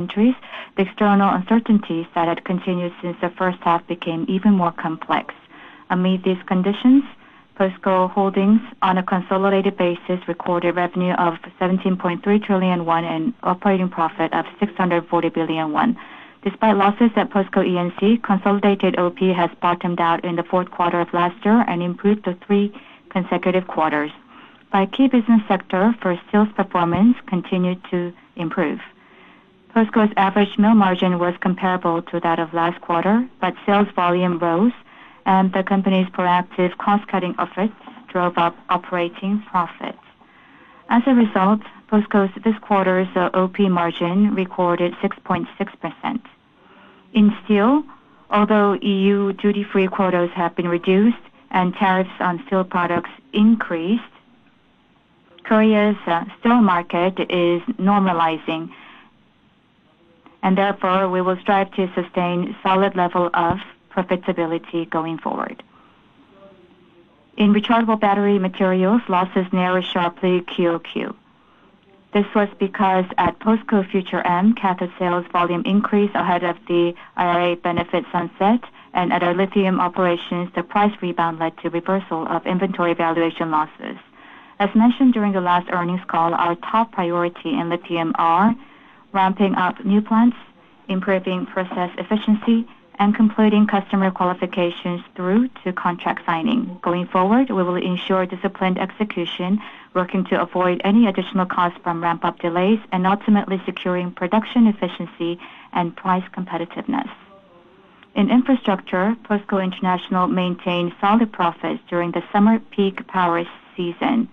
Countries, the external uncertainties that had continued since the first half became even more complex. Amid these conditions, POSCO Holdings, on a consolidated basis, recorded revenue of 17.3 trillion won and operating profit of 640 billion won. Despite losses at POSCO E&C, consolidated OP has bottomed out in the fourth quarter of last year and improved to three consecutive quarters. By key business sector, first, sales performance continued to improve. POSCO's average mill margin was comparable to that of last quarter, but sales volume rose, and the company's proactive cost-cutting efforts drove up operating profits. As a result, POSCO's this quarter's OP margin recorded 6.6%. In steel, although EU duty-free quotas have been reduced and tariffs on steel products increased, Korea's steel market is normalizing and, therefore, we will strive to sustain a solid level of profitability going forward. In rechargeable battery materials, losses narrowed sharply QOQ. This was because, at POSCO Future M, cathode sales volume increased ahead of the IRA benefit sunset, and at our lithium operations, the price rebound led to reversal of inventory valuation losses. As mentioned during the last earnings call, our top priority in lithium are ramping up new plants, improving process efficiency, and completing customer qualifications through to contract signing. Going forward, we will ensure disciplined execution, working to avoid any additional costs from ramp-up delays and, ultimately, securing production efficiency and price competitiveness. In infrastructure, POSCO International maintained solid profits during the summer peak power season.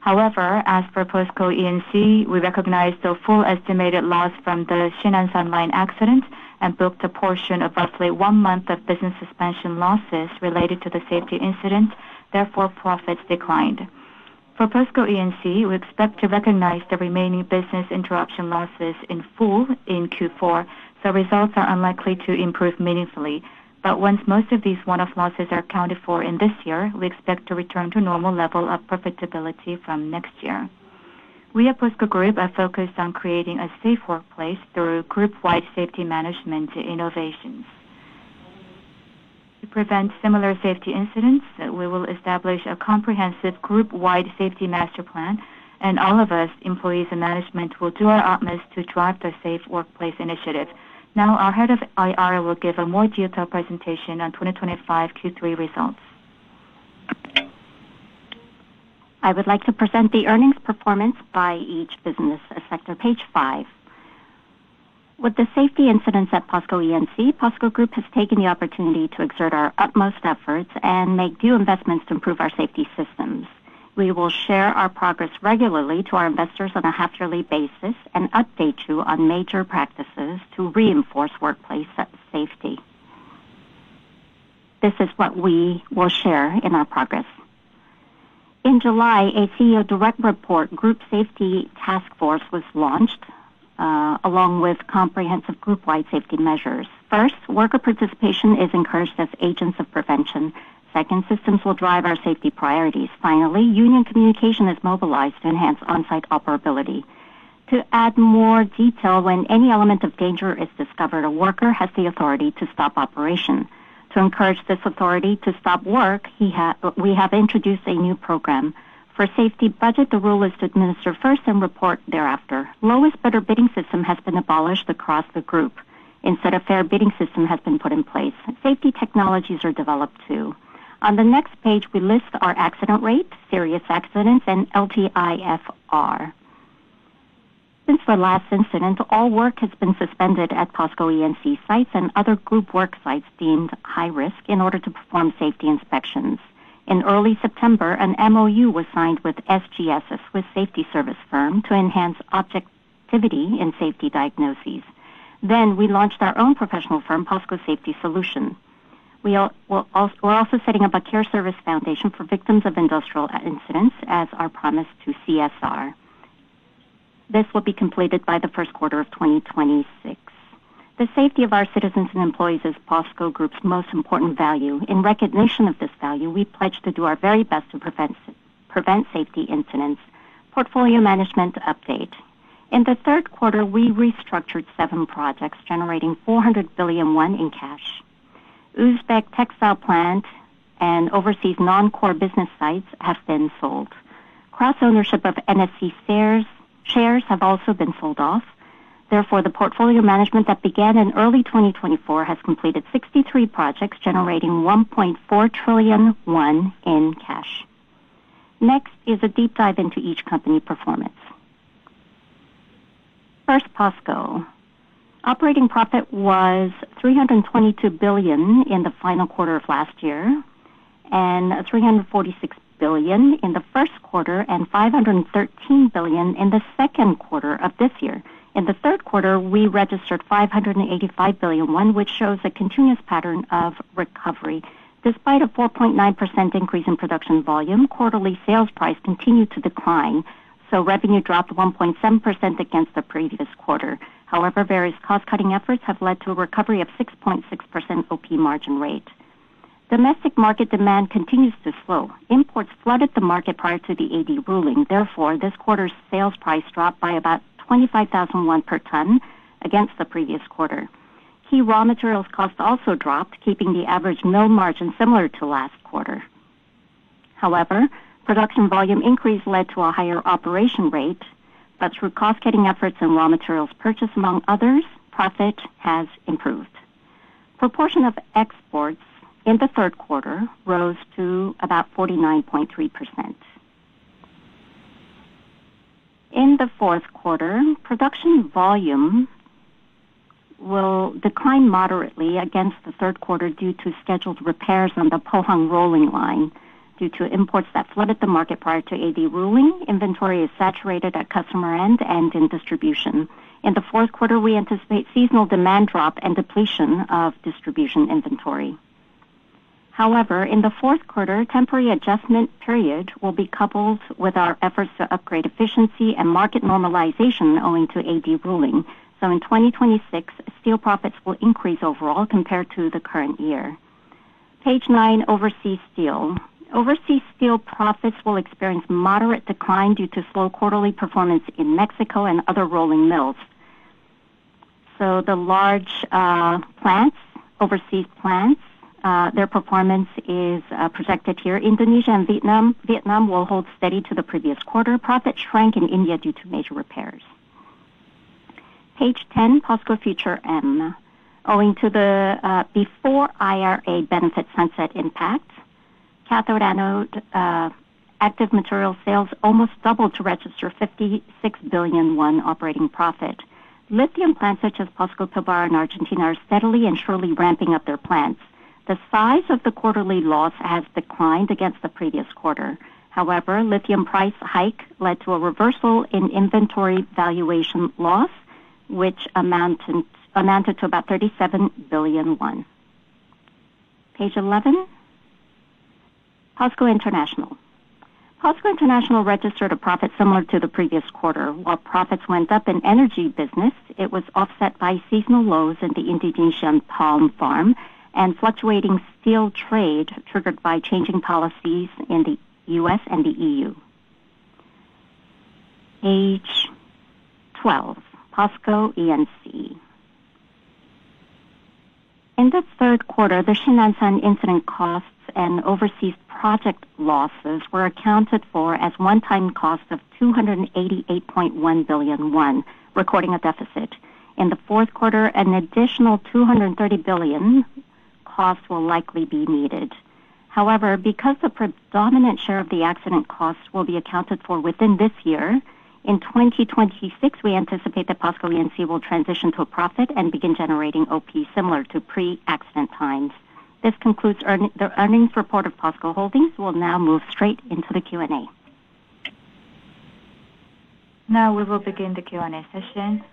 However, as per POSCO E&C, we recognized the full estimated loss from the Sinansan Line accident and booked a portion of roughly one month of business suspension losses related to the safety incident, therefore, profits declined. For POSCO E&C, we expect to recognize the remaining business interruption losses in full in Q4, so results are unlikely to improve meaningfully. Once most of these one-off losses are accounted for in this year, we expect to return to normal levels of profitability from next year. We at POSCO Group are focused on creating a safe workplace through group-wide safety management innovations. To prevent similar safety incidents, we will establish a comprehensive group-wide safety master plan, and all of us, employees and management, will do our utmost to drive the safe workplace initiative. Now, our Head of IR will give a more detailed presentation on 2025 Q3 results. I would like to present the earnings performance by each business sector, page five. With the safety incidents at POSCO E&C, POSCO Group has taken the opportunity to exert our utmost efforts and make due investments to improve our safety systems. We will share our progress regularly to our investors on a half-yearly basis and update you on major practices to reinforce workplace safety. This is what we will share in our progress. In July, a CEO Direct Report Group Safety Task Force was launched, along with comprehensive group-wide safety measures. First, worker participation is encouraged as agents of prevention. Second, systems will drive our safety priorities. Finally, union communication is mobilized to enhance on-site operability. To add more detail, when any element of danger is discovered, a worker has the authority to stop operation. To encourage this authority to stop work, we have introduced a new program. For safety budget, the rule is to administer first and report thereafter. Lowest-bidder bidding system has been abolished across the group. Instead, a fair bidding system has been put in place. Safety technologies are developed too. On the next page, we list our accident rate, serious accidents, and LTIFR. Since the last incident, all work has been suspended at POSCO E&C sites and other group work sites deemed high-risk in order to perform safety inspections. In early September, an MOU was signed with SGS, a Swiss safety service firm, to enhance objectivity in safety diagnoses. We launched our own professional firm, POSCO Safety Solutions. We're also setting up a care service foundation for victims of industrial incidents, as our promise to CSR. This will be completed by the first quarter of 2026. The safety of our citizens and employees is POSCO Group's most important value. In recognition of this value, we pledge to do our very best to prevent safety incidents. Portfolio management update. In the third quarter, we restructured seven projects, generating 400 billion won in cash. Uzbek textile plant and overseas non-core business sites have been sold. Cross-ownership of NSC shares have also been sold off. Therefore, the portfolio management that began in early 2024 has completed 63 projects, generating 1.4 trillion won in cash. Next is a deep dive into each company performance. First, POSCO. Operating profit was 322 billion in the final quarter of last year, 346 billion in the first quarter, and 513 billion in the second quarter of this year. In the third quarter, we registered 585 billion, which shows a continuous pattern of recovery. Despite a 4.9% increase in production volume, quarterly sales price continued to decline, so revenue dropped 1.7% against the previous quarter. However, various cost-cutting efforts have led to a recovery of 6.6% OP margin rate. Domestic market demand continues to slow. Imports flooded the market prior to the AD ruling. Therefore, this quarter's sales price dropped by about 25,000 per ton against the previous quarter. Key raw materials costs also dropped, keeping the average mill margin similar to last quarter. However, production volume increase led to a higher operation rate, but through cost-cutting efforts and raw materials purchase, among others, profit has improved. A proportion of exports in the third quarter rose to about 49.3%. In the fourth quarter, production volume will decline moderately against the third quarter due to scheduled repairs on the Pohang rolling line due to imports that flooded the market prior to AD ruling. Inventory is saturated at customer end and in distribution. In the fourth quarter, we anticipate seasonal demand drop and depletion of distribution inventory. However, in the fourth quarter, temporary adjustment period will be coupled with our efforts to upgrade efficiency and market normalization owing to AD ruling. In 2026, steel profits will increase overall compared to the current year. Page nine, overseas steel. Overseas steel profits will experience moderate decline due to slow quarterly performance in Mexico and other rolling mills. The large plants, overseas plants, their performance is projected here. Indonesia and Vietnam will hold steady to the previous quarter. Profit shrank in India due to major repairs. Page 10, POSCO Future M. Owing to the before IRA benefit sunset impact, cathode-anode active material sales almost doubled to register 56 billion operating profit. Lithium plants such as POSCO [Pobar] in Argentina are steadily and surely ramping up their plants. The size of the quarterly loss has declined against the previous quarter. However, lithium price hike led to a reversal in inventory valuation loss, which amounted to about 37 billion won. Page 11, POSCO International. POSCO International registered a profit similar to the previous quarter. While profits went up in energy business, it was offset by seasonal lows in the Indonesian palm farm and fluctuating steel trade triggered by changing policies in the U.S. and the EU. Page 12, POSCO E&C. In the third quarter, the Sinansan incident costs and overseas project losses were accounted for as one-time cost of 288.1 billion, recording a deficit. In the fourth quarter, an additional 230 billion cost will likely be needed. However, because the predominant share of the accident cost will be accounted for within this year, in 2026, we anticipate that POSCO E&C will transition to a profit and begin generating OP similar to pre-accident times. This concludes the earnings report of POSCO Holdings. We'll now move straight into the Q&A. Now we will begin the Q&A session.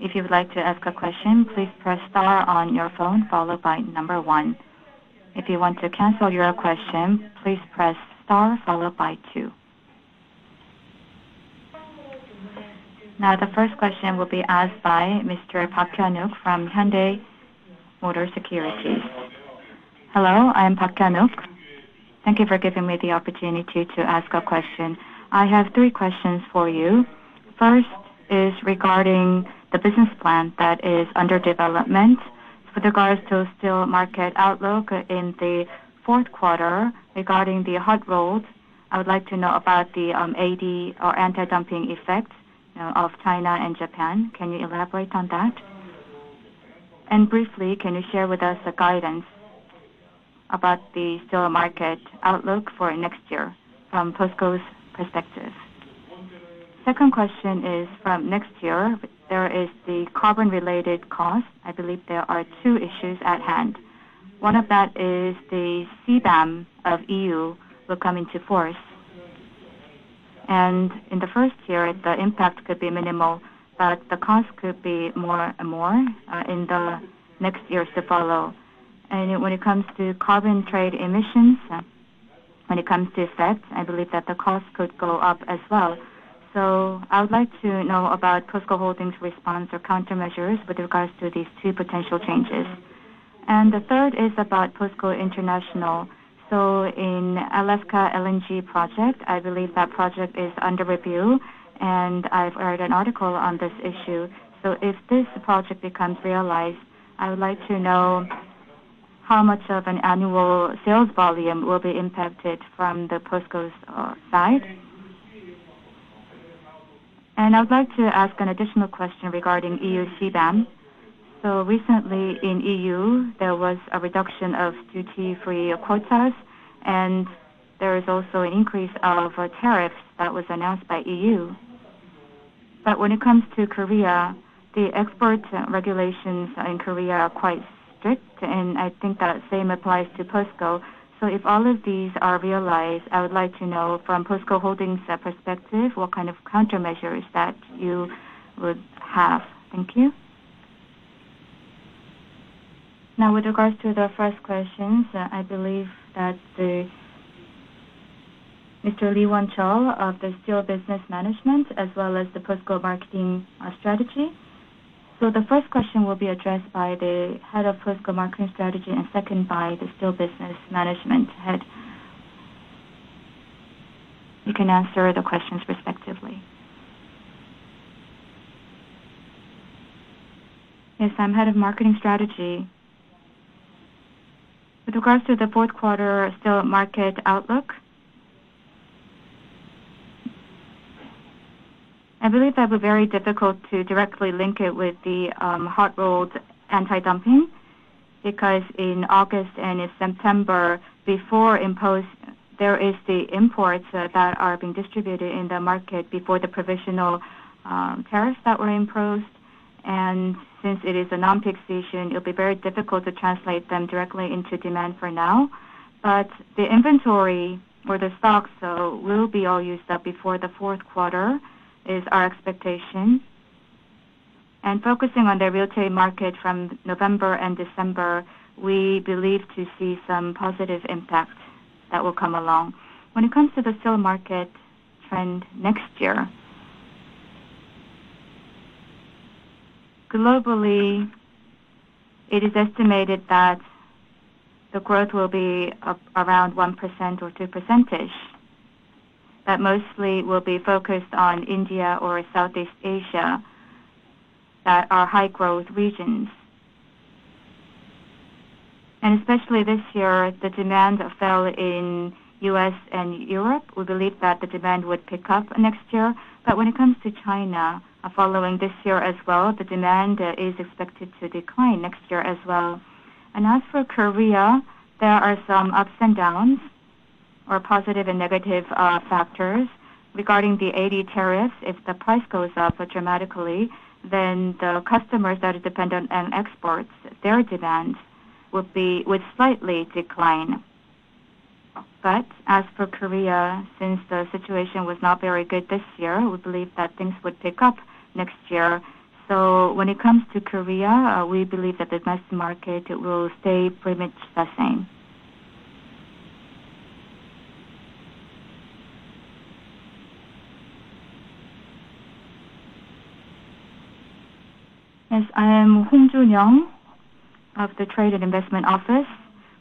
If you would like to ask a question, please press star on your phone followed by number one. If you want to cancel your question, please press star followed by two. Now, the first question will be asked by Mr. Park Hyun-wook from Hyundai Motor Securities. Hello, I'm Park Hyun-wook. Thank you for giving me the opportunity to ask a question. I have three questions for you. First is regarding the business plan that is under development. With regards to the steel market outlook in the fourth quarter, regarding the hot rolls, I would like to know about the AD or anti-dumping effects of China and Japan. Can you elaborate on that? Briefly, can you share with us the guidance about the steel market outlook for next year from POSCO Holdings' perspective? Second question is from next year. There is the carbon-related cost. I believe there are two issues at hand. One of that is the Carbon Border Adjustment Mechanism of EU will come into force. In the first year, the impact could be minimal, but the cost could be more and more in the next years to follow. When it comes to carbon trade emissions, when it comes to effects, I believe that the cost could go up as well. I would like to know about POSCO Holdings' response or countermeasures with regards to these two potential changes. The third is about POSCO International. In Alaska LNG project, I believe that project is under review, and I've read an article on this issue. If this project becomes realized, I would like to know how much of an annual sales volume will be impacted from the POSCO Holdings' side. I would like to ask an additional question regarding EU CBAM. Recently in EU, there was a reduction of duty-free quotas, and there is also an increase of tariffs that was announced by EU. When it comes to Korea, the export regulations in Korea are quite strict, and I think that same applies to POSCO Holdings. If all of these are realized, I would like to know from POSCO Holdings' perspective what kind of countermeasures that you would have. Thank you. Now, with regards to the first questions, I believe that [Mr. Lee Won Chol] of the Steel Business Management as well as the POSCO Marketing Strategy. The first question will be addressed by the head of POSCO Marketing Strategy and second by the Steel Business Management head. You can answer the questions respectively. Yes, I'm head of Marketing Strategy. With regards to the fourth quarter steel market outlook, I believe that it would be very difficult to directly link it with the hot rolled anti-dumping because in August and in September, before imposed, there are the imports that are being distributed in the market before the provisional tariffs that were imposed. Since it is a non-peak season, it will be very difficult to translate them directly into demand for now. The inventory or the stocks will be all used up before the fourth quarter, is our expectation. Focusing on the real estate market from November and December, we believe to see some positive impact that will come along. When it comes to the steel market trend next year, globally, it is estimated that the growth will be around 1% or 2%-ish, but mostly will be focused on India or Southeast Asia that are high-growth regions. Especially this year, the demand fell in the U.S. and Europe. We believe that the demand would pick up next year. When it comes to China, following this year as well, the demand is expected to decline next year as well. As for Korea, there are some ups and downs or positive and negative factors. Regarding the AD tariffs, if the price goes up dramatically, then the customers that depend on exports, their demand would slightly decline. As for Korea, since the situation was not very good this year, we believe that things would pick up next year. When it comes to Korea, we believe that the domestic market will stay pretty much the same. Yes, I am [Hong Joon Young] of the Trade and Investment Office.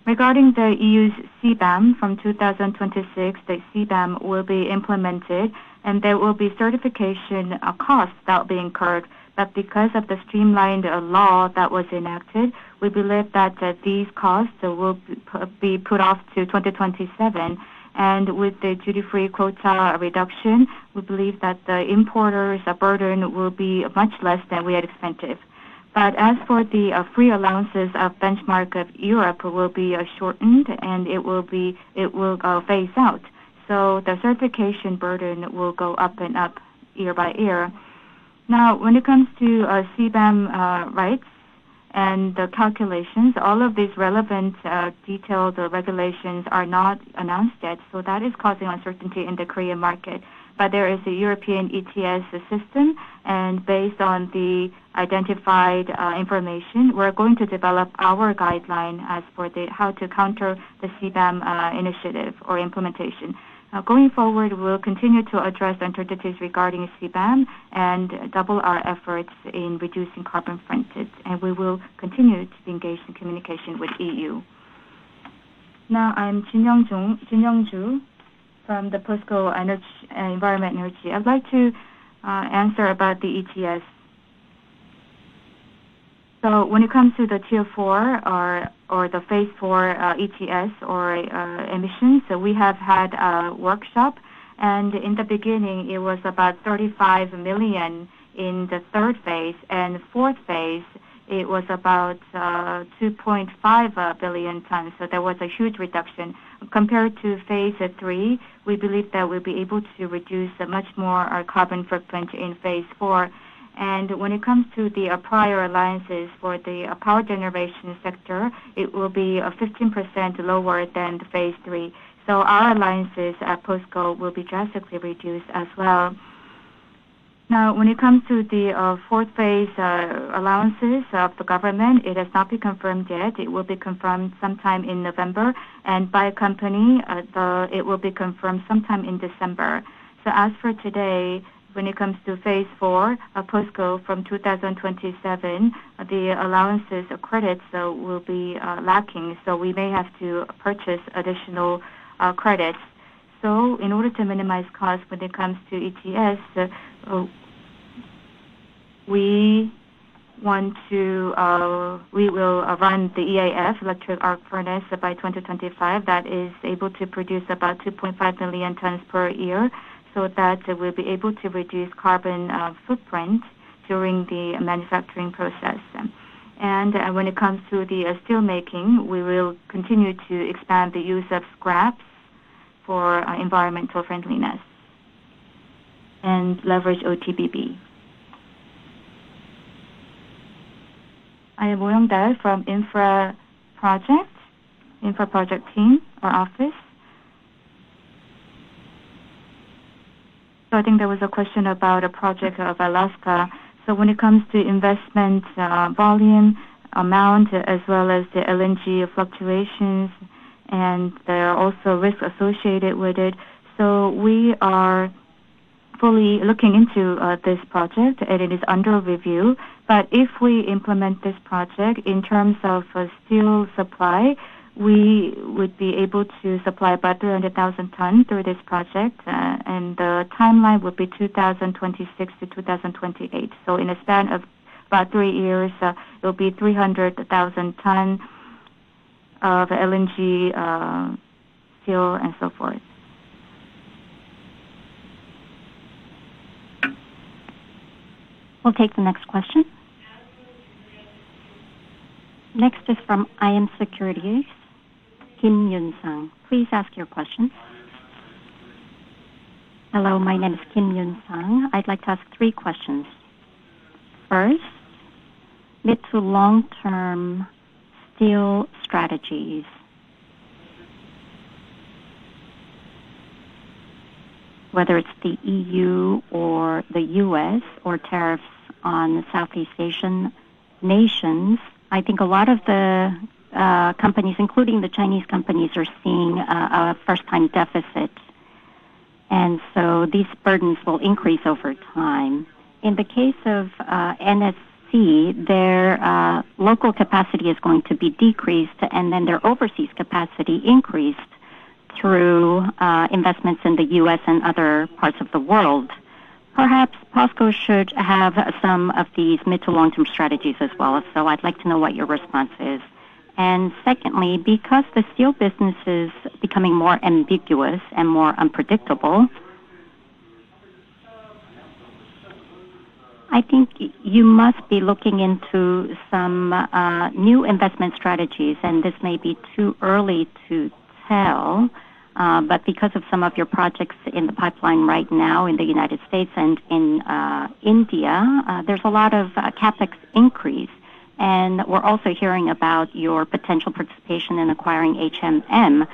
Regarding the EU's CBAM from 2026, the CBAM will be implemented, and there will be certification costs that will be incurred. Because of the streamlined law that was enacted, we believe that these costs will be put off to 2027. With the duty-free quota reduction, we believe that the importer's burden will be much less than we had expected. As for the free allowances of benchmark of Europe, it will be shortened, and it will phase out. The certification burden will go up and up year by year. When it comes to CBAM rights and the calculations, all of these relevant detailed regulations are not announced yet. That is causing uncertainty in the Korean market. There is a European ETS system, and based on the identified information, we're going to develop our guideline as for how to counter the CBAM initiative or implementation. Going forward, we'll continue to address uncertainties regarding CBAM and double our efforts in reducing carbon footprint. We will continue to be engaged in communication with the EU. Now, I'm [Jin Young-Joo] from POSCO Environment Energy. I'd like to answer about the ETS. When it comes to the Tier 4 or the Phase 4 ETS or emissions, we have had a workshop. In the beginning, it was about 35 million in the third phase. In the fourth phase, it was about 2.5 billion tons. There was a huge reduction. Compared to Phase 3, we believe that we'll be able to reduce much more carbon footprint in Phase 4. When it comes to the prior allowances for the power generation sector, it will be 15% lower than Phase 3. Our allowances at POSCO will be drastically reduced as well. When it comes to the fourth phase allowances of the government, it has not been confirmed yet. It will be confirmed sometime in November. By company, it will be confirmed sometime in December. As for today, when it comes to Phase 4, POSCO from 2027, the allowances of credits will be lacking. We may have to purchase additional credits. In order to minimize costs when it comes to ETS, we want to run the EAF, electric arc furnace, by 2025. That is able to produce about 2.5 million tons per year. That will be able to reduce carbon footprint during the manufacturing process. When it comes to the steelmaking, we will continue to expand the use of scraps for environmental friendliness and leverage OTBB. I am [Woo Yong-Dae] from Infra Project, Infra Project Team, our office. I think there was a question about a project of Alaska. When it comes to investment volume amount, as well as the LNG fluctuations, there are also risks associated with it. We are fully looking into this project, and it is under review. If we implement this project in terms of steel supply, we would be able to supply about 300,000 tons through this project. The timeline would be 2026 to 2028. In a span of about three years, it will be 300,000 tons of LNG steel and so forth. We'll take the next question. Next is from iM Securities, Kim Yoon-Sung. Please ask your question. Hello, my name is Kim Yoon-Sung. I'd like to ask three questions. First, mid to long-term steel strategies. Whether it's the EU or the U.S. or tariffs on the Southeast Asian nations, I think a lot of the companies, including the Chinese companies, are seeing a first-time deficit. These burdens will increase over time. In the case of NSC, their local capacity is going to be decreased, and then their overseas capacity increased through investments in the U.S. and other parts of the world. Perhaps POSCO should have some of these mid to long-term strategies as well. I'd like to know what your response is. Secondly, because the steel business is becoming more ambiguous and more unpredictable, I think you must be looking into some new investment strategies. This may be too early to tell, but because of some of your projects in the pipeline right now in the United States and in India, there's a lot of CapEx increase. We're also hearing about your potential participation in acquiring [H&M].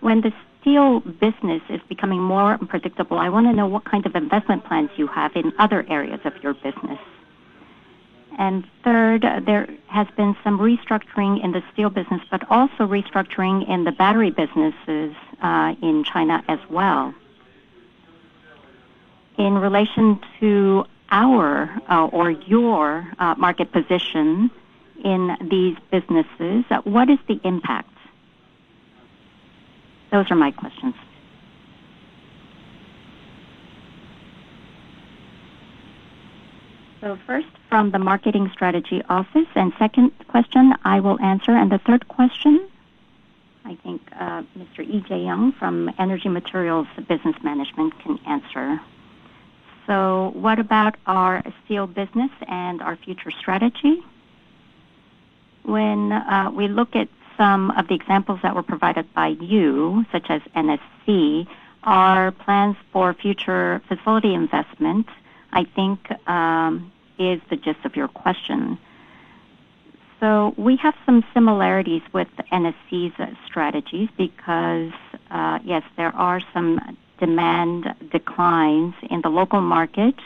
When the steel business is becoming more unpredictable, I want to know what kind of investment plans you have in other areas of your business. Third, there has been some restructuring in the steel business, but also restructuring in the battery businesses in China as well. In relation to our or your market position in these businesses, what is the impact? Those are my questions. First from the Marketing Strategy Office, and second question I will answer. The third question, I think Mr. [Lee Jae-Young] from Energy Materials Business Management can answer. What about our steel business and our future strategy? When we look at some of the examples that were provided by you, such as NSC, our plans for future facility investment, I think, is the gist of your question. We have some similarities with NSC's strategies because, yes, there are some demand declines in the local market.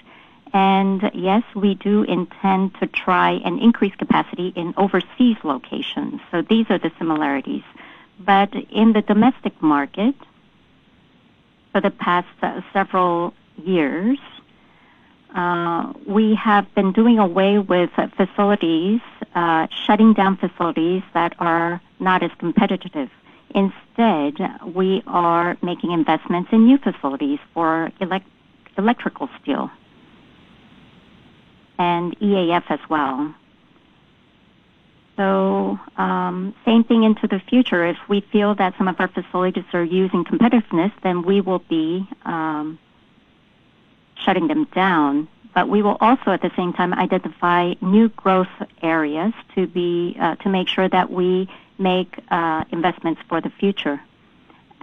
We do intend to try and increase capacity in overseas locations. These are the similarities. In the domestic market for the past several years, we have been doing away with facilities, shutting down facilities that are not as competitive. Instead, we are making investments in new facilities for electrical steel and EAFs as well. Same thing into the future. If we feel that some of our facilities are losing competitiveness, then we will be shutting them down. We will also, at the same time, identify new growth areas to make sure that we make investments for the future.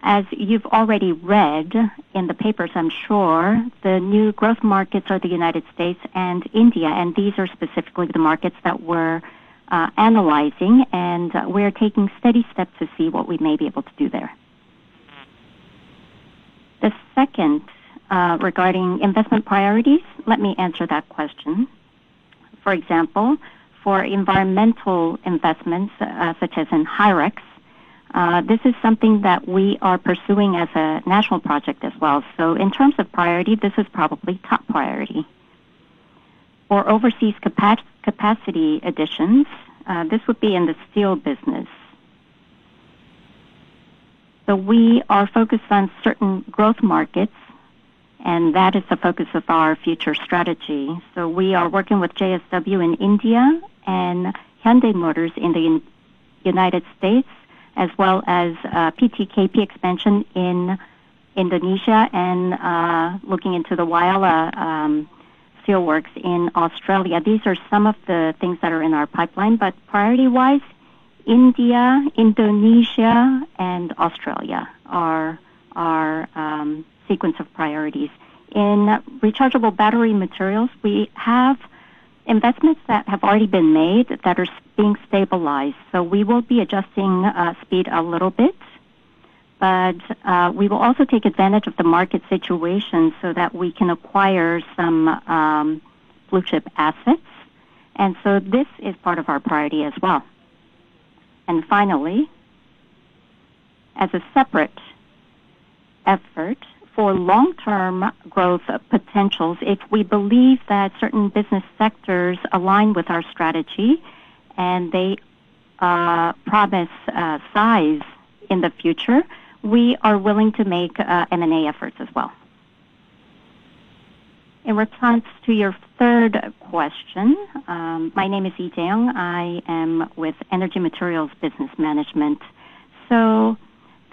As you've already read in the papers, I'm sure, the new growth markets are the United States and India. These are specifically the markets that we're analyzing. We're taking steady steps to see what we may be able to do there. The second, regarding investment priorities, let me answer that question. For example, for environmental investments, such as in HIREX, this is something that we are pursuing as a national project as well. In terms of priority, this is probably top priority. For overseas capacity additions, this would be in the steel business. We are focused on certain growth markets, and that is the focus of our future strategy. We are working with JSW Group in India and Hyundai Motor Group in the United States, as well as PTKP Expansion in Indonesia and looking into the Whyalla Steel Works in Australia. These are some of the things that are in our pipeline. Priority-wise, India, Indonesia, and Australia are our sequence of priorities. In rechargeable battery materials, we have investments that have already been made that are being stabilized. We will be adjusting speed a little bit. We will also take advantage of the market situation so that we can acquire some blue chip assets. This is part of our priority as well. Finally, as a separate effort for long-term growth potentials, if we believe that certain business sectors align with our strategy and they promise size in the future, we are willing to make M&A efforts as well. In response to your third question, my name is Lee Jae Young. I am with Energy Materials Business Management.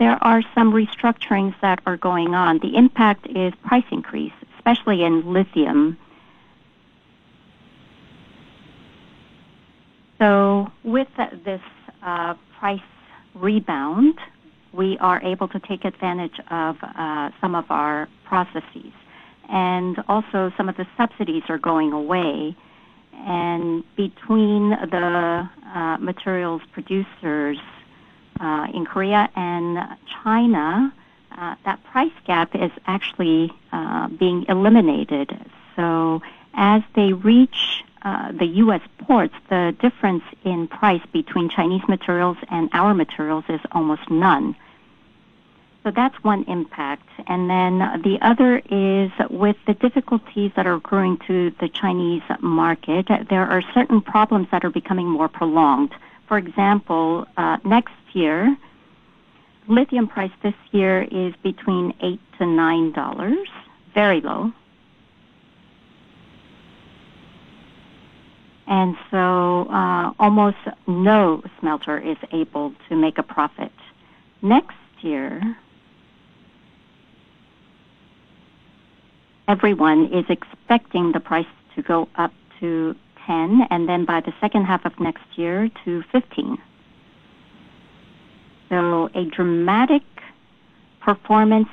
There are some restructurings that are going on. The impact is price increase, especially in lithium. With this price rebound, we are able to take advantage of some of our processes. Also, some of the subsidies are going away. Between the materials producers in Korea and China, that price gap is actually being eliminated. As they reach the U.S. ports, the difference in price between Chinese materials and our materials is almost none. That's one impact. The other is with the difficulties that are occurring to the Chinese market, there are certain problems that are becoming more prolonged. For example, next year, lithium price this year is between $8-$9, very low. Almost no smelter is able to make a profit. Next year, everyone is expecting the price to go up to $10, and by the second half of next year, to $15. A dramatic performance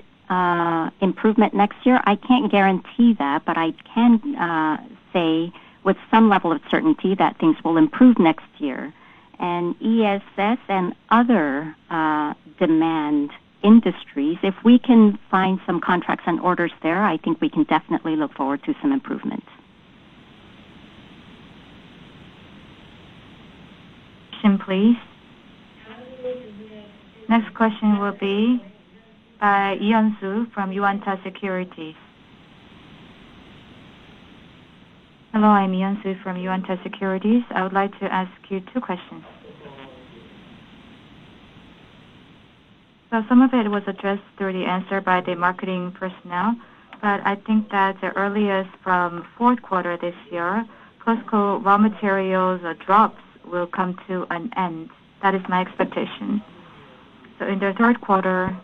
improvement next year, I can't guarantee that, but I can say with some level of certainty that things will improve next year. ESS and other demand industries, if we can find some contracts and orders there, I think we can definitely look forward to some improvement. Next question, please. Next question will be by [Yu An-Su] from Yuanta Securities. Hello, I'm [Yu An-Su] from Yuanta Securities. I would like to ask you two questions. Some of it was addressed through the answer by the marketing personnel. I think that the earliest from the fourth quarter this year, POSCO raw materials drops will come to an end. That is my expectation. In the third quarter,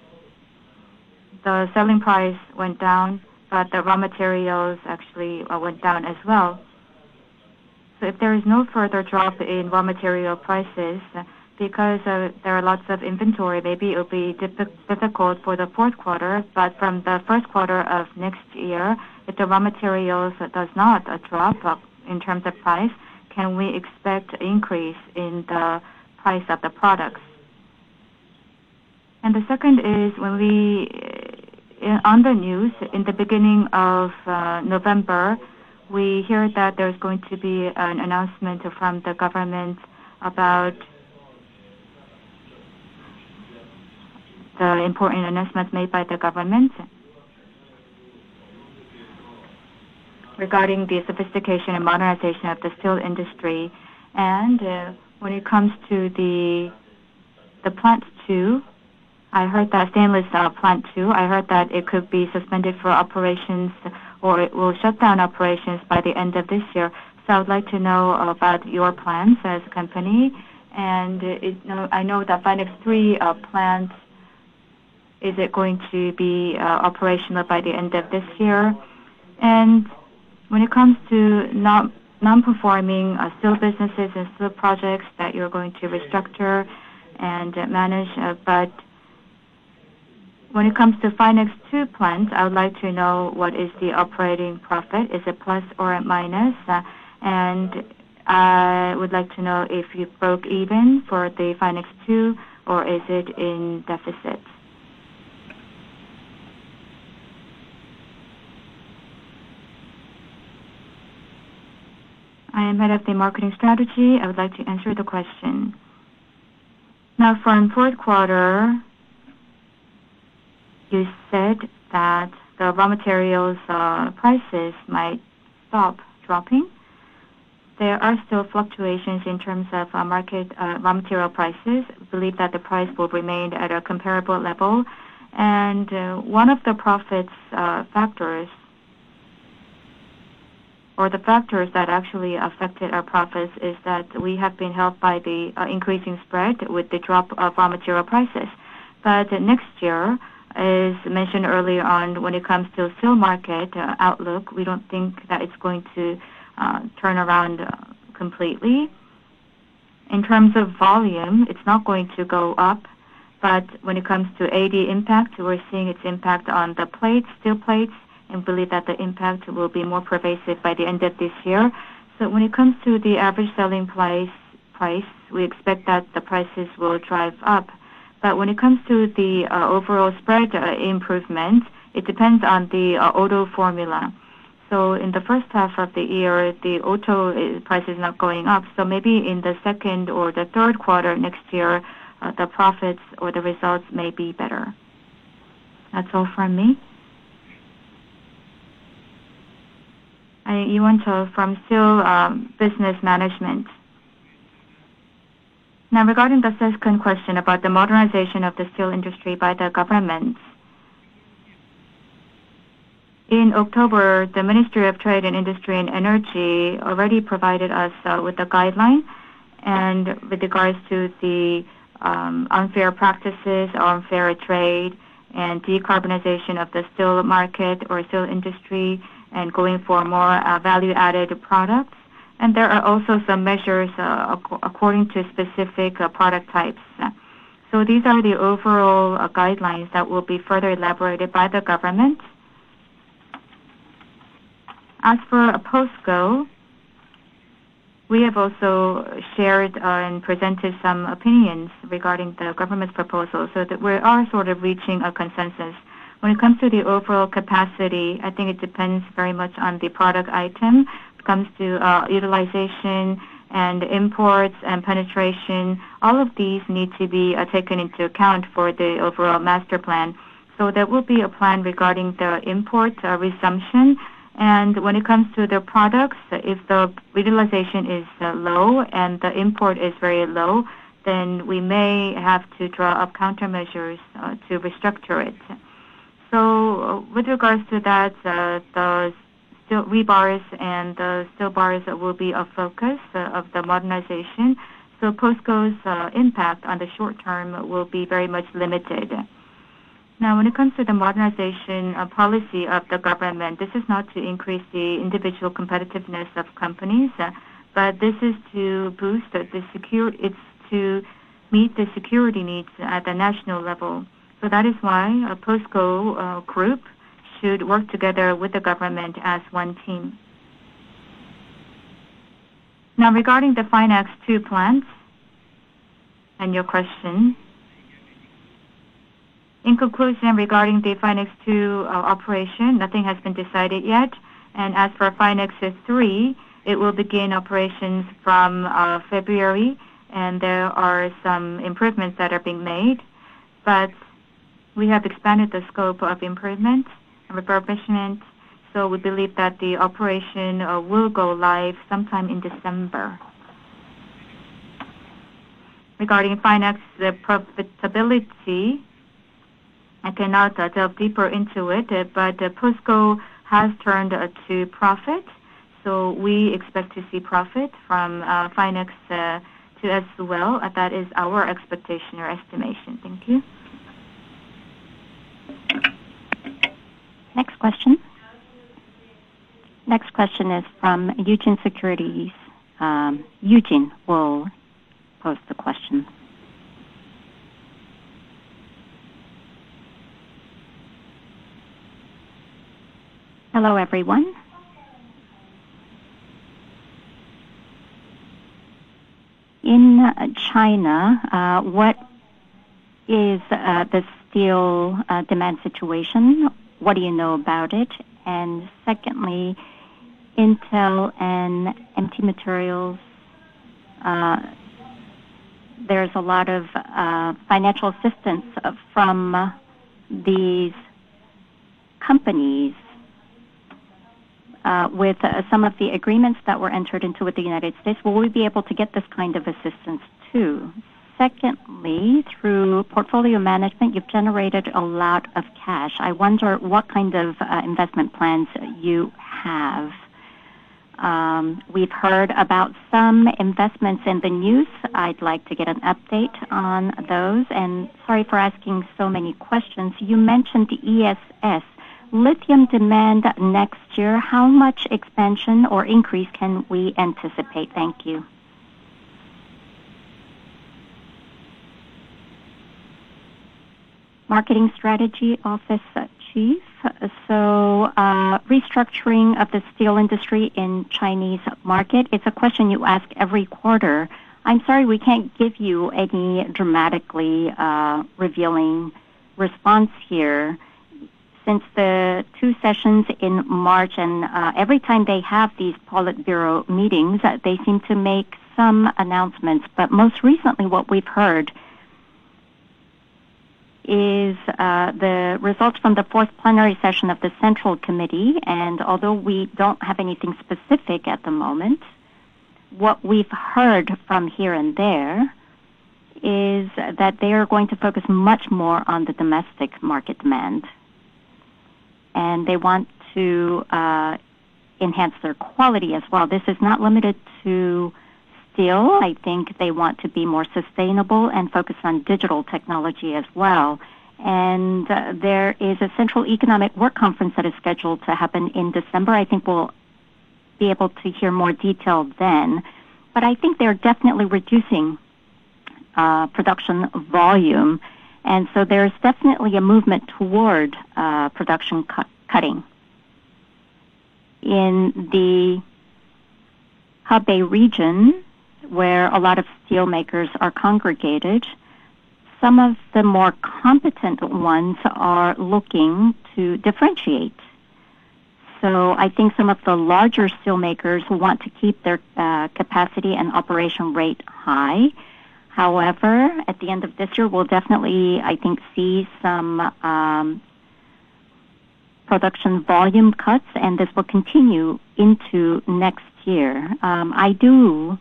the selling price went down, but the raw materials actually went down as well. If there is no further drop in raw material prices because there are lots of inventory, maybe it will be difficult for the fourth quarter. From the first quarter of next year, if the raw materials do not drop in terms of price, can we expect an increase in the price of the products? The second is when we, on the news, in the beginning of November, we hear that there's going to be an announcement from the government about the important announcements made by the government regarding the sophistication and modernization of the steel industry. When it comes to the Plant 2, I heard that stainless Plant 2, I heard that it could be suspended for operations or it will shut down operations by the end of this year. I would like to know about your plans as a company. I know that FINEX 3 Plant, is it going to be operational by the end of this year? When it comes to non-performing steel businesses and steel projects that you're going to restructure and manage, when it comes to FINEX 2 Plant, I would like to know what is the operating profit. Is it plus or a minus? I would like to know if you broke even for the FINEX 2 or is it in deficit? I am Head of the Marketing Strategy. I would like to answer the question. From the fourth quarter, you said that the raw materials prices might stop dropping. There are still fluctuations in terms of market raw material prices. I believe that the price will remain at a comparable level. One of the profit factors or the factors that actually affected our profits is that we have been helped by the increasing spread with the drop of raw material prices. Next year, as mentioned earlier on, when it comes to the steel market outlook, we don't think that it's going to turn around completely. In terms of volume, it's not going to go up. When it comes to AD impact, we're seeing its impact on the plates, steel plates, and believe that the impact will be more pervasive by the end of this year. When it comes to the average selling price, we expect that the prices will drive up. When it comes to the overall spread improvement, it depends on the auto formula. In the first half of the year, the auto price is not going up. Maybe in the second or the third quarter next year, the profits or the results may be better. That's all from me. [Yuen Gwo] from Steel Business Management. Now, regarding the second question about the modernization of the steel industry by the government, in October, the Ministry of Trade, Industry and Energy already provided us with a guideline with regards to the unfair practices, unfair trade, and decarbonization of the steel market or steel industry and going for more value-added products. There are also some measures according to specific product types. These are the overall guidelines that will be further elaborated by the government. As for POSCO, we have also shared and presented some opinions regarding the government's proposal so that we are sort of reaching a consensus. When it comes to the overall capacity, I think it depends very much on the product item. It comes to utilization and imports and penetration. All of these need to be taken into account for the overall master plan. There will be a plan regarding the import resumption. When it comes to the products, if the utilization is low and the import is very low, then we may have to draw up countermeasures to restructure it. With regards to that, the rebars and the steel bars will be a focus of the modernization. POSCO's impact on the short term will be very much limited. When it comes to the modernization policy of the government, this is not to increase the individual competitiveness of companies, but this is to boost the security, it's to meet the security needs at the national level. That is why POSCO Group should work together with the government as one team. Now, regarding the FINEX 2 Plant and your question, in conclusion, regarding the FINEX 2 operation, nothing has been decided yet. As for FINEX 3, it will begin operations from February, and there are some improvements that are being made. We have expanded the scope of improvements and refurbishment. We believe that the operation will go live sometime in December. Regarding FINEX's profitability, I cannot delve deeper into it, but POSCO Holdings has turned to profit. We expect to see profit from FINEX 2 as well. That is our expectation or estimation. Thank you. Next question. Next question is from [Yi Yu Jin] Securities. [Yu Jin] will pose the question. Hello, everyone. In China, what is the steel demand situation? What do you know about it? Secondly, Intel and MP Materials, there's a lot of financial assistance from these companies with some of the agreements that were entered into with the United States. Will we be able to get this kind of assistance too? Secondly, through portfolio management, you've generated a lot of cash. I wonder what kind of investment plans you have. We've heard about some investments in the news. I'd like to get an update on those. Sorry for asking so many questions. You mentioned ESS. Lithium demand next year, how much expansion or increase can we anticipate? Thank you. Marketing Strategy Office Chief. Restructuring of the steel industry in the Chinese market, it's a question you ask every quarter. I'm sorry we can't give you any dramatically revealing response here. Since the two sessions in March, and every time they have these [Politburo] meetings, they seem to make some announcements. Most recently, what we've heard is the results from the fourth plenary session of the Central Committee. Although we don't have anything specific at the moment, what we've heard from here and there is that they are going to focus much more on the domestic market demand. They want to enhance their quality as well. This is not limited to steel. I think they want to be more sustainable and focus on digital technology as well. There is a Central Economic Work Conference that is scheduled to happen in December. I think we'll be able to hear more details then. I think they're definitely reducing production volume. There's definitely a movement toward production cutting. In the [Hub Bay] region, where a lot of steelmakers are congregated, some of the more competent ones are looking to differentiate. I think some of the larger steelmakers want to keep their capacity and operation rate high. However, at the end of this year, we'll definitely, I think, see some production volume cuts, and this will continue into next year. I do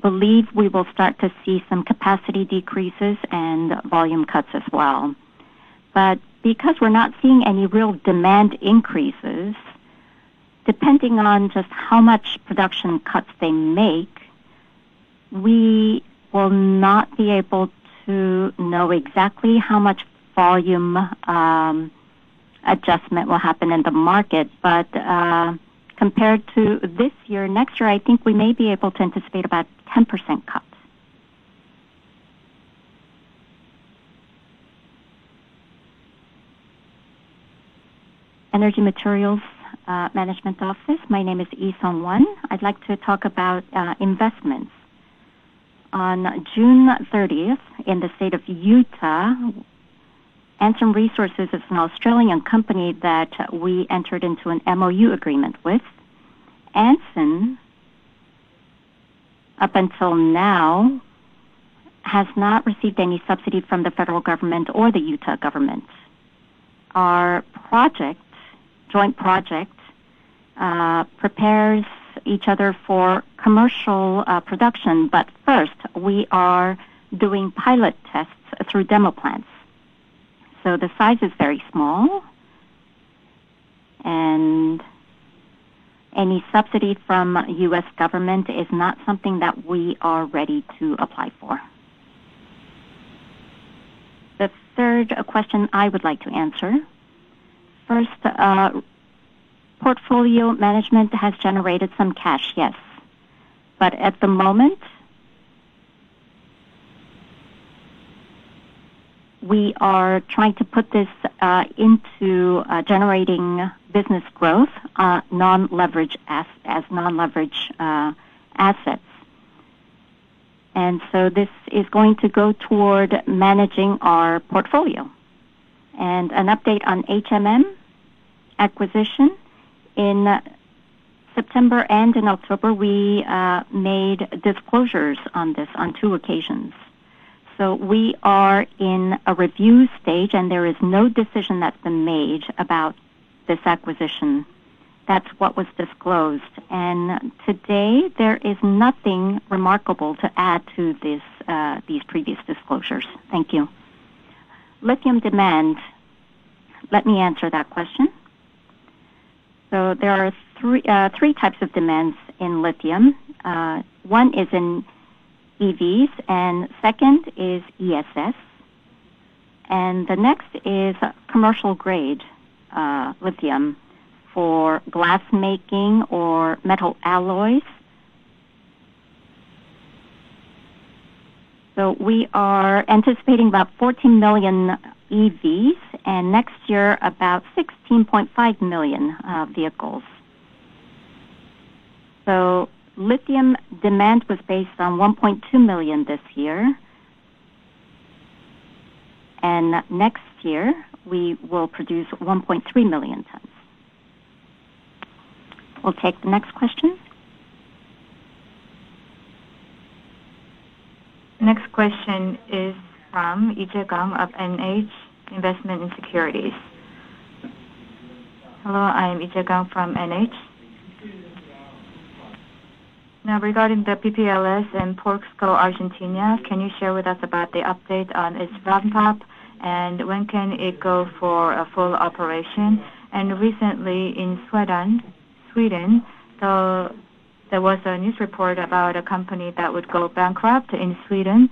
believe we will start to see some capacity decreases and volume cuts as well. Because we're not seeing any real demand increases, depending on just how much production cuts they make, we will not be able to know exactly how much volume adjustment will happen in the market. Compared to this year, next year, I think we may be able to anticipate about 10% cuts. Energy Materials Management Office, my name is [Yi Song Won]. I'd like to talk about investments. On June 30th, in the state of Utah, Anson Resources is an Australian company that we entered into an MOU agreement with. Anson, up until now, has not received any subsidy from the federal government or the Utah government. Our joint project prepares each other for commercial production. First, we are doing pilot tests through demo plants. The size is very small. Any subsidy from the U.S. government is not something that we are ready to apply for. The third question I would like to answer. Portfolio management has generated some cash, yes. At the moment, we are trying to put this into generating business growth as non-leverage assets. This is going to go toward managing our portfolio. An update on [H&M] acquisition. In September and in October, we made disclosures on this on two occasions. We are in a review stage, and there is no decision that's been made about this acquisition. That's what was disclosed. Today, there is nothing remarkable to add to these previous disclosures. Thank you. Lithium demand, let me answer that question. There are three types of demands in lithium. One is in EVs, second is ESS, and the next is commercial-grade lithium for glass making or metal alloys. We are anticipating about 14 million EVs, and next year, about 16.5 million vehicles. Lithium demand was based on 1.2 million this year. Next year, we will produce 1.3 million tons. We'll take the next question. Next question is from [Yi Jae Young] of NH Investment & Securities. Hello, I am [Yi Jae Young] from NH. Now, regarding the PPLS and POSCO Argentina, can you share with us about the update on its ramp-up and when can it go for a full operation? Recently, in Sweden, there was a news report about a company that would go bankrupt in Sweden.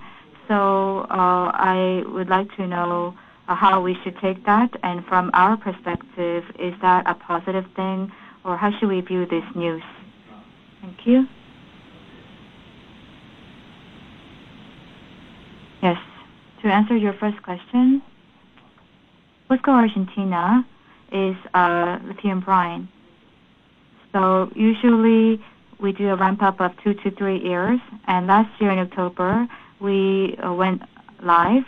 I would like to know how we should take that. From our perspective, is that a positive thing or how should we view this news? Thank you. Yes, to answer your first question, POSCO Argentina is a lithium brine. Usually, we do a ramp-up of two to three years. Last year in October, we went live.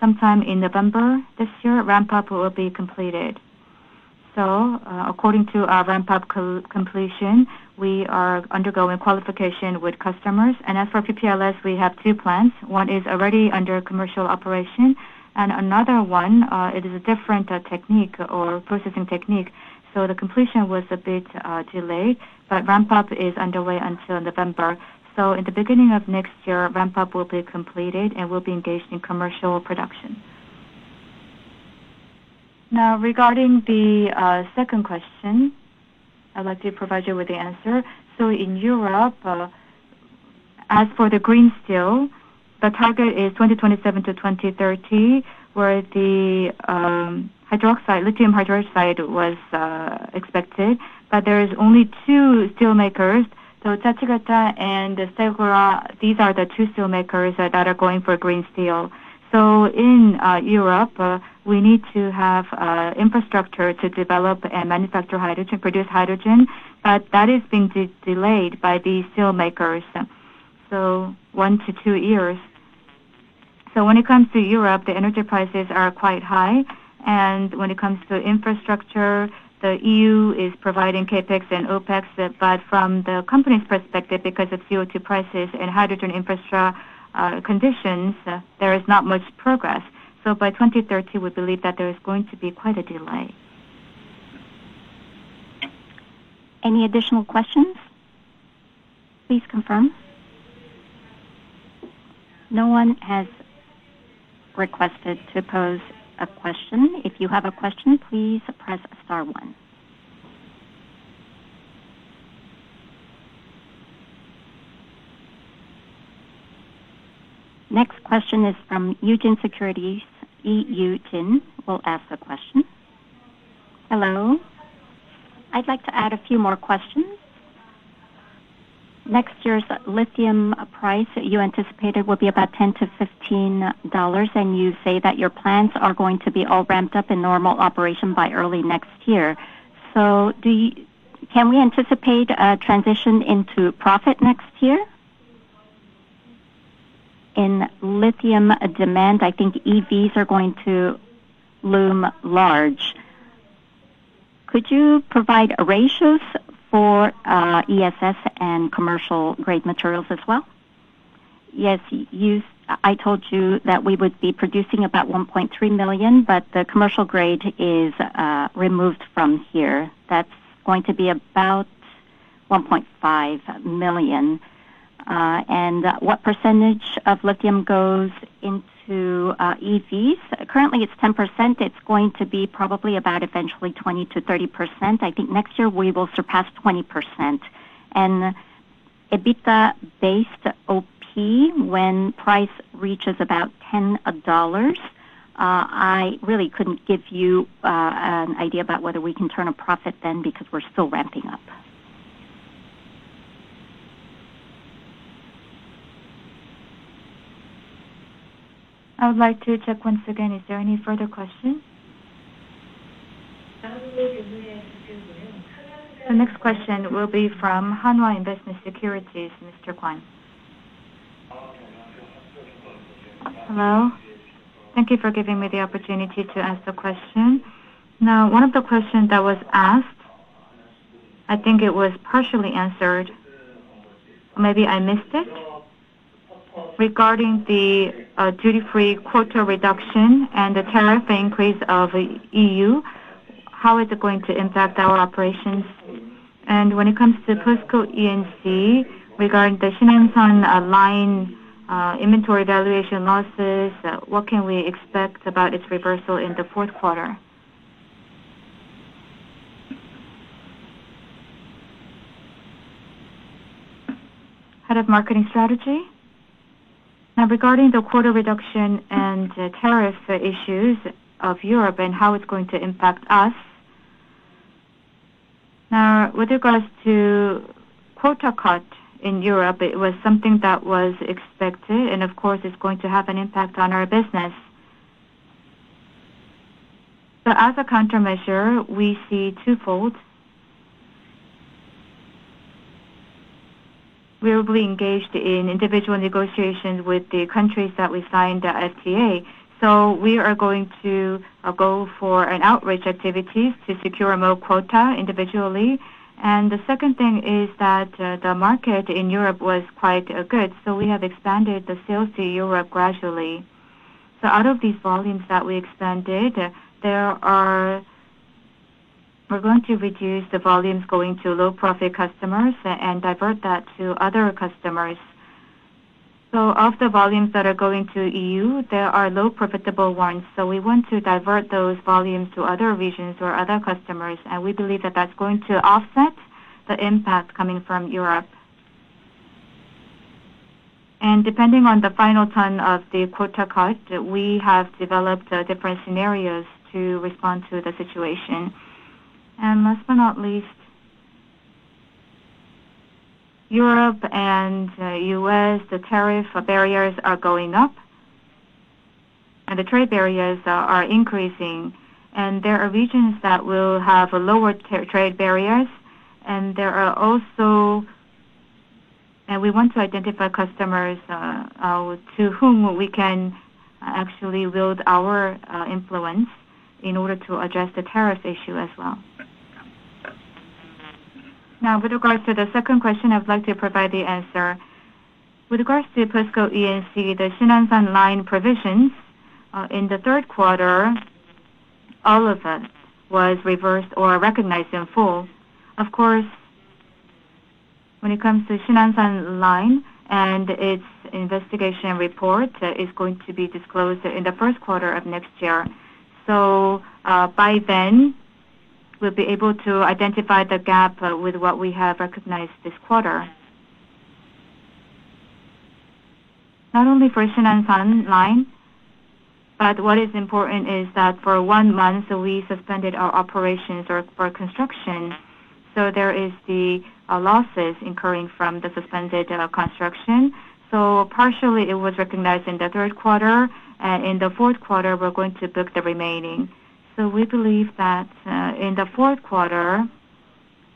Sometime in November this year, ramp-up will be completed. According to our ramp-up completion, we are undergoing qualification with customers. As for PPLS, we have two plants. One is already under commercial operation, and another one, it is a different technique or processing technique. The completion was a bit delayed, but ramp-up is underway until November. In the beginning of next year, ramp-up will be completed and will be engaged in commercial production. Regarding the second question, I'd like to provide you with the answer. In Europe, as for the green steel, the target is 2027 to 2030, where the hydroxide, lithium hydroxide was expected. There are only two steelmakers, so [Tuatara] and [SEGURA], these are the two steelmakers that are going for green steel. In Europe, we need to have infrastructure to develop and manufacture hydrogen, produce hydrogen. That is being delayed by these steelmakers, so one to two years. When it comes to Europe, the energy prices are quite high. When it comes to infrastructure, the EU is providing CapEx and OpEx. From the company's perspective, because of CO2 prices and hydrogen infrastructure conditions, there is not much progress. By 2030, we believe that there is going to be quite a delay. Any additional questions? Please confirm. No one has requested to pose a question. If you have a question, please press star one. Next question is from [Yu Jin] Securities. [Yi Yu Jin] will ask a question. Hello, I'd like to add a few more questions. Next year's lithium price you anticipated will be about $10-$15, and you say that your plants are going to be all ramped up in normal operation by early next year. Can we anticipate a transition into profit next year? In lithium demand, I think EVs are going to loom large. Could you provide ratios for ESS and commercial-grade materials as well? Yes, I told you that we would be producing about 1.3 million, but the commercial grade is removed from here. That's going to be about 1.5 million. What percentage of lithium goes into EVs? Currently, it's 10%. It's going to be probably about eventually 20%-30%. I think next year we will surpass 20%. EBITDA-based OP, when price reaches about $10, I really couldn't give you an idea about whether we can turn a profit then because we're still ramping up. I would like to check once again, is there any further question? The next question will be from Hanwha Investment & Securities, Mr. Kwon. Hello. Thank you for giving me the opportunity to ask the question. Now, one of the questions that was asked, I think it was partially answered, or maybe I missed it. Regarding the duty-free quota reduction and the tariff increase of the EU, how is it going to impact our operations? When it comes to POSCO E&C regarding the Sinansan Line inventory evaluation losses, what can we expect about its reversal in the fourth quarter? Head of Marketing Strategy. Now, regarding the quota reduction and tariff issues of Europe and how it's going to impact us. With regards to quota cut in Europe, it was something that was expected. Of course, it's going to have an impact on our business. As a countermeasure, we see twofold. We're really engaged in individual negotiations with the countries that we signed the FTA. We are going to go for outreach activities to secure more quota individually. The second thing is that the market in Europe was quite good. We have expanded the sales to Europe gradually. Out of these volumes that we expanded, we're going to reduce the volumes going to low-profit customers and divert that to other customers. Of the volumes that are going to EU, there are low-profitable ones. We want to divert those volumes to other regions or other customers. We believe that that's going to offset the impact coming from Europe. Depending on the final ton of the quota cut, we have developed different scenarios to respond to the situation. Last but not least, Europe and the U.S., the tariff barriers are going up, and the trade barriers are increasing. There are regions that will have lower trade barriers. We want to identify customers to whom we can actually wield our influence in order to address the tariff issue as well. With regards to the second question, I'd like to provide the answer. With regards to POSCO E&C, the Sinansan Line provisions in the third quarter, all of it was reversed or recognized in full. When it comes to Sinansan Line and its investigation report, it's going to be disclosed in the first quarter of next year. By then, we'll be able to identify the gap with what we have recognized this quarter. Not only for Sinansan Line, what is important is that for one month, we suspended our operations for construction. There are the losses incurring from the suspended construction. Partially, it was recognized in the third quarter. In the fourth quarter, we're going to book the remaining. We believe that in the fourth quarter,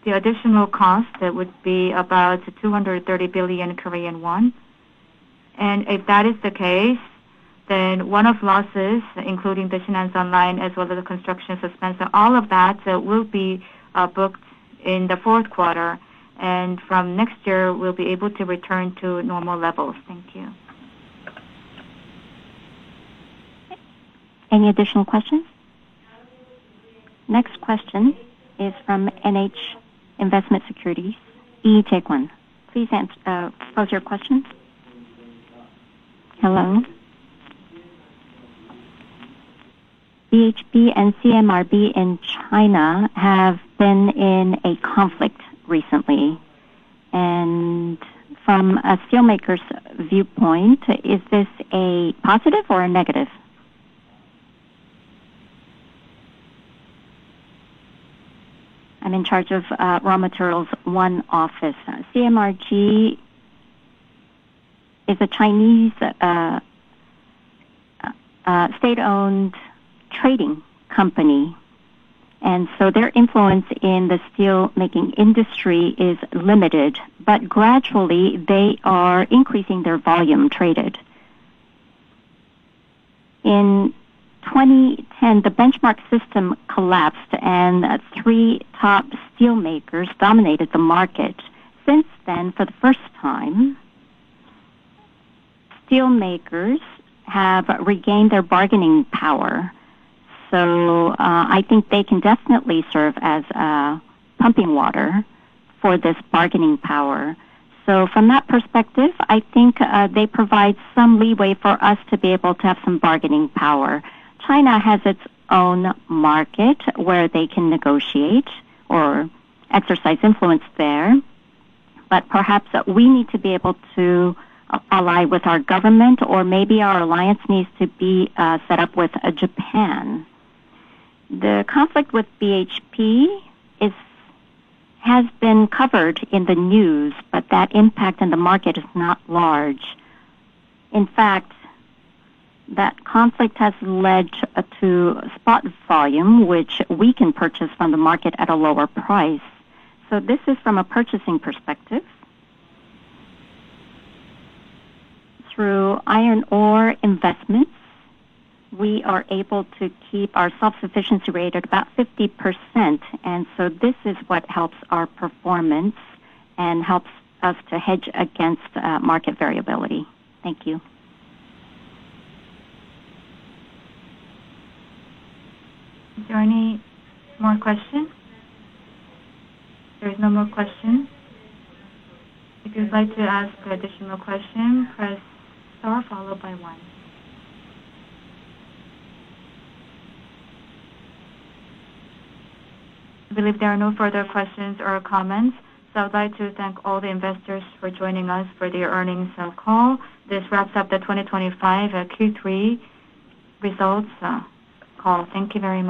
the additional cost would be about 230 billion Korean won. If that is the case, then all of the losses, including the Sinansan Line as well as the construction suspension, will be booked in the fourth quarter. From next year, we'll be able to return to normal levels. Thank you. Any additional questions? Next question is from NH Investment & Securities. Please answer, pose your question. Hello. BHP and CMRG in China have been in a conflict recently. From a steelmaker's viewpoint, is this a positive or a negative? I'm in charge of Raw Materials One office. CMRG is a Chinese state-owned trading company, and their influence in the steelmaking industry is limited. Gradually, they are increasing their volume traded. In 2010, the benchmark system collapsed, and three top steelmakers dominated the market. Since then, for the first time, steelmakers have regained their bargaining power. I think they can definitely serve as pumping water for this bargaining power. From that perspective, I think they provide some leeway for us to be able to have some bargaining power. China has its own market where they can negotiate or exercise influence there. Perhaps we need to be able to ally with our government, or maybe our alliance needs to be set up with Japan. The conflict with BHP has been covered in the news, but that impact in the market is not large. In fact, that conflict has led to spot volume, which we can purchase from the market at a lower price. This is from a purchasing perspective. Through iron ore investments, we are able to keep our self-sufficiency rate at about 50%. This is what helps our performance and helps us to hedge against market variability. Thank you. Is there any more question? There's no more question. If you'd like to ask an additional question, press star followed by one. I believe there are no further questions or comments. I'd like to thank all the investors for joining us for the earnings call. This wraps up the 2025 Q3 results call. Thank you very much.